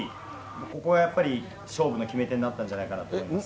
ここがやっぱり勝負の決め手になったんじゃないかと思います。